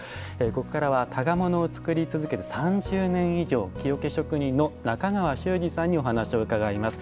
ここからは箍物を作り続けて３０年以上木桶職人の中川周士さんにお話を伺います。